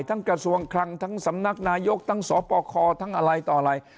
กระทรวงคลังทั้งสำนักนายกทั้งสปคทั้งอะไรต่ออะไร